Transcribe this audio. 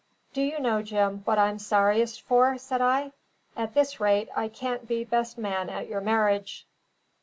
"Do you know, Jim, what I'm sorriest for?" said I. "At this rate, I can't be best man at your marriage."